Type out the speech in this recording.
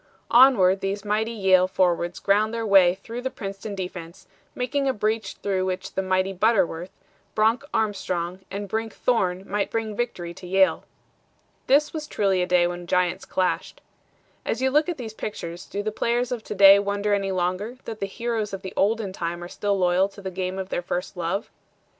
Onward these mighty Yale forwards ground their way through the Princeton defense, making a breach through which the mighty Butterworth, Bronc Armstrong and Brink Thorne might bring victory to Yale. This was truly a day when giants clashed. As you look at these pictures do the players of to day wonder any longer that the heroes of the olden time are still loyal to the game of their first love?